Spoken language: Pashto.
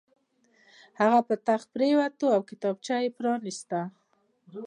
هغه په تخت پرېوت او کتابچه یې پرانیسته